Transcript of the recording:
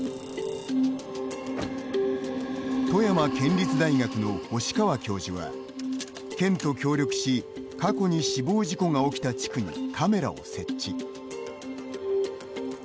富山県立大学の星川教授は県と協力し過去に死亡事故が起きた地区にカメラを設置。